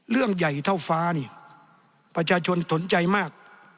เรื่องใหญ่เท่าฟ้านี่ประชาชนสนใจมาก